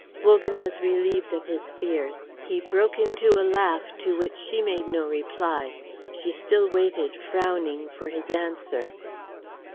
Wogan was relieved of his fears. He broke into a laugh, to which she made no reply. She still waited frowning for his answer.